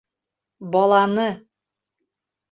Баланы!..